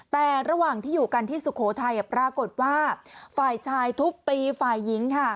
แต่ระหว่างที่อยู่กันที่สุโขทัยปรากฏว่าฝ่ายชายทุบตีฝ่ายหญิงค่ะ